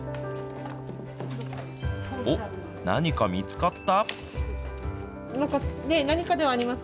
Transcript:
おっ、何か見つかった？